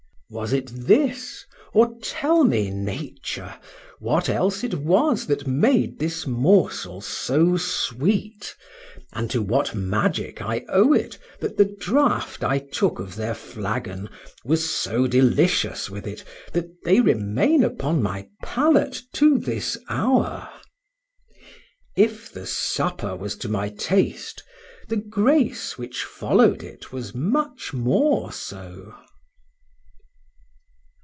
Was it this? or tell me, Nature, what else it was that made this morsel so sweet,—and to what magic I owe it, that the draught I took of their flagon was so delicious with it, that they remain upon my palate to this hour? If the supper was to my taste,—the grace which followed it was much more so.